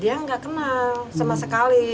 dia nggak kenal sama sekali